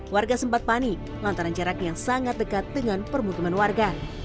warga sempat panik lantaran jaraknya sangat dekat dengan permutuman warga